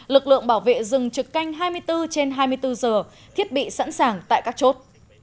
lực lượng bảo vệ rừng trực canh hai mươi bốn trên hai mươi bốn giờ thiết bị sẵn sàng tại các chốt